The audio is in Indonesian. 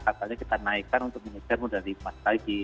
akhirnya kita naikkan untuk mengejar modal lima lagi